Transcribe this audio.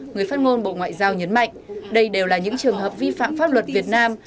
người phát ngôn bộ ngoại giao nhấn mạnh đây đều là những trường hợp vi phạm pháp luật việt nam